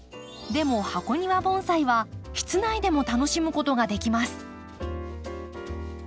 でも箱庭盆栽は室内でも楽しむことができます。